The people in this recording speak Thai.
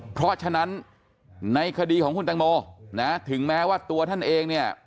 เพราะฉะนั้นในคดีของคุณตังโมนะถึงแม้ว่าตัวท่านเองเนี่ย